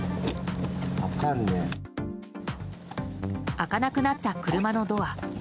開かなくなった車のドア。